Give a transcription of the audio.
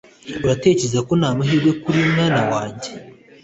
uratekereza ko nta mahirwe kuriwe, mwana wanjye